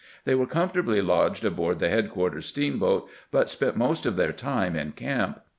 They were comfortably lodged aboard the headquarters steamboat, but spent most of their time in camp.